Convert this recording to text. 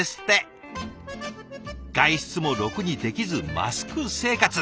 外出もろくにできずマスク生活。